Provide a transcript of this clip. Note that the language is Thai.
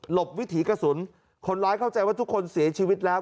บวิถีกระสุนคนร้ายเข้าใจว่าทุกคนเสียชีวิตแล้ว